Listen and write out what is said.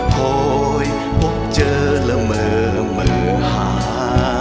โหยพบเจอแล้วเหมือเหมือหา